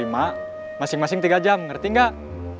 masing masing tiga jam ngerti nggak